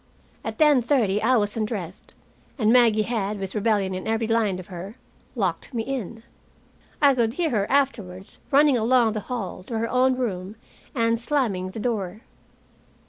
At ten thirty I was undressed, and Maggie had, with rebellion in every line of her, locked me in. I could hear her, afterwards running along the hall to her own room and slamming the door.